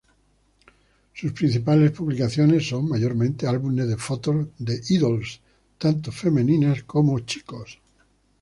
Sus principales publicaciones son mayormente álbumes de fotos de "Idols", tanto femeninas como chicos.